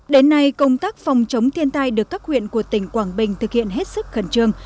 đến nay công tác phòng chống thiên tai được các huyện của tỉnh quảng bình thực hiện hết sức khẩn trương